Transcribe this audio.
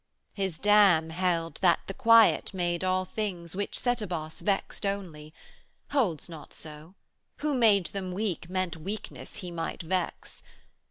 His dam held that the Quiet made all things 170 Which Setebos vexed only: 'holds not so. Who made them weak, meant weakness He might vex.